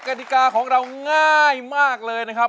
กฎิกาของเราง่ายมากเลยนะครับ